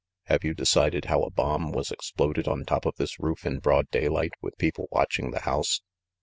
Have you decided how a bomb was exploded on top of this roof in broad daylight, with people watching the house?